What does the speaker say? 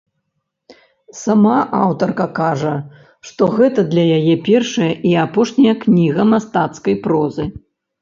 Сама аўтарка кажа, што гэта для яе першая і апошняя кніга мастацкай прозы.